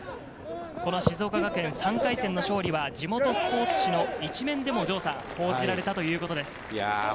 この静岡学園、３回戦の勝利は地元スポーツ紙の１面でも報じられたということです。